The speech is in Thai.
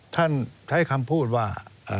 ท่านใช้คำพูดว่า